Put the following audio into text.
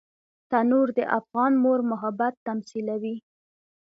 تنور د افغان مور محبت تمثیلوي